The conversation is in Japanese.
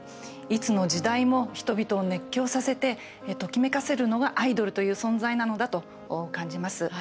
いつの時代も人々を熱狂させてときめかせるのはアイドルという存在なのだと感じます。